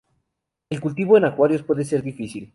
El cultivo en acuarios puede ser difícil.